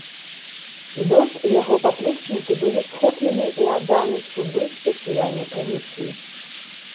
Дож і яго паплечнікі былі схоплены і адданы суду спецыяльнай камісіі.